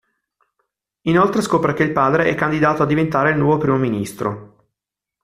Inoltre scopre che il padre è candidato a diventare il nuovo Primo Ministro.